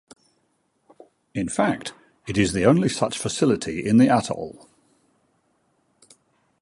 In fact it is the only such facility in the atoll.